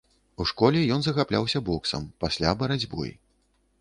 У школе ён захапляўся боксам, пасля барацьбой.